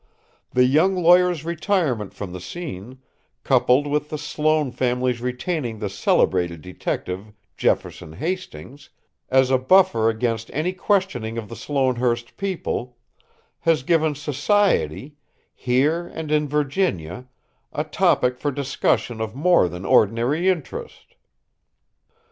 The young lawyer's retirement from the scene, coupled with the Sloane family's retaining the celebrated detective, Jefferson Hastings, as a buffer against any questioning of the Sloanehurst people, has given Society, here and in Virginia, a topic for discussion of more than ordinary interest."